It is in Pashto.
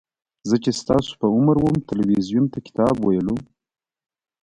زه چې ستاسو په عمر وم تلویزیون ته کتاب ویلو.